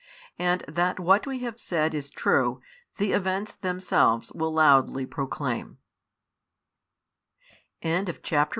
And that what we have said is true, the events themselves will loudly proclaim.